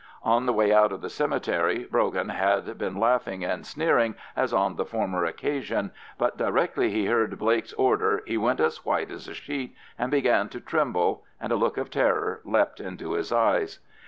On the way out to the cemetery, Brogan had been laughing and sneering as on the former occasion, but directly he heard Blake's order he went as white as a sheet, and began to tremble, and a look of terror leapt into his eyes.